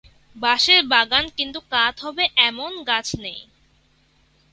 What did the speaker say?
বাশের বাগান কিন্তু কাঠ হবে এমন গাছ নেই।